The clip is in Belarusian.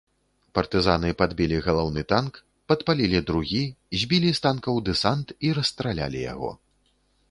Партызаны падбілі галаўны танк, падпалілі другі, збілі з танкаў дэсант і расстралялі яго.